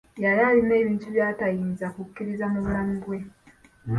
Yali alina ebintu by'atayinza kukkiriza mu bulamu bwe.